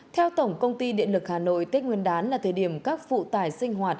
theo tổng công ty điện lực hà nội tết nguyên đán là thời điểm các phụ tải sinh hoạt